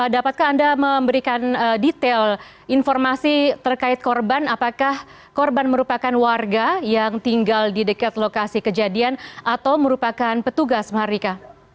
dapatkah anda memberikan detail informasi terkait korban apakah korban merupakan warga yang tinggal di dekat lokasi kejadian atau merupakan petugas mahardika